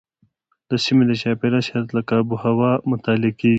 د سیمې د چاپیریال شرایط لکه اوبه او هوا مطالعه کېږي.